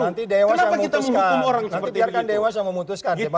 kenapa kita menghukum orang seperti itu